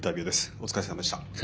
お疲れさまでした。